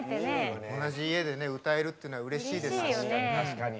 同じ家でね歌えるっていうのはうれしいですよ。